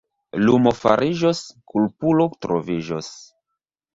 Lumo fariĝos, kulpulo troviĝos.